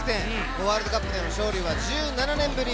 ワールドカップでの勝利は１７年ぶり。